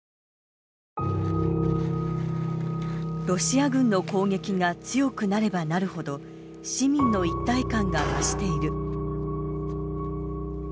ロシア軍の攻撃が強くなればなるほど市民の一体感が増している。